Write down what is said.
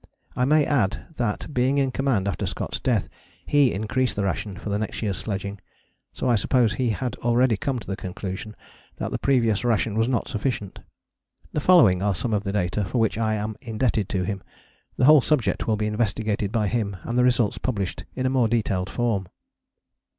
I may add that, being in command after Scott's death, he increased the ration for the next year's sledging, so I suppose he had already come to the conclusion that the previous ration was not sufficient. The following are some of the data for which I am indebted to him: the whole subject will be investigated by him and the results published in a more detailed form.